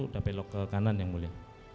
udah belok ke kanan yang mulia